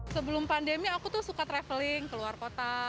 sebelum pandemi aku tuh suka traveling ke luar kota